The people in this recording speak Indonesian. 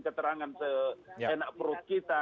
keterangan keenak perut kita